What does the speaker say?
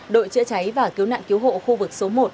đội chữa cháy và cứu nạn cứu hộ khu vực số một